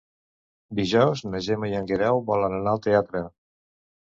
Dijous na Gemma i en Guerau volen anar al teatre.